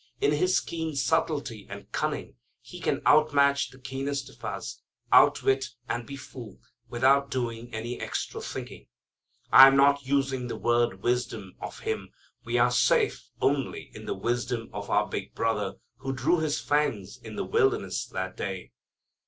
In his keen subtlety and cunning he can outmatch the keenest of us; outwit and befool without doing any extra thinking. I am not using the word wisdom of him. We are safe only in the wisdom of our big Brother who drew his fangs in the wilderness that day.